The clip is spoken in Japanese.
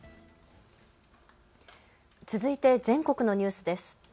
続いて全国のニュースです。